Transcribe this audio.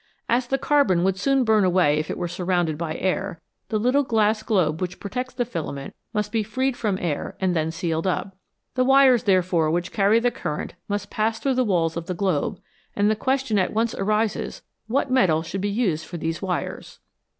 As the carbon would soon burn away if it were surrounded by air, the little glass globe which protects the filament must be freed from air and then sealed up. The wires, therefore, which carry the current must pass through the walls of the globe, and the question at once arises, what metal should be used for these wires